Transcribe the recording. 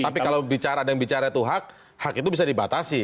tapi kalau bicara ada yang bicara itu hak hak itu bisa dibatasi